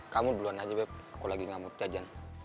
kamu duluan aja bep aku lagi ngamuk jajan